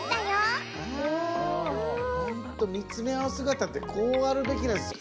ほんと見つめ合うすがたってこうあるべきです。